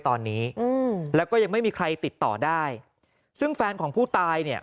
ตอนนี้อืมแล้วก็ยังไม่มีใครติดต่อได้ซึ่งแฟนของผู้ตายเนี่ย